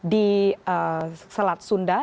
di selat sunda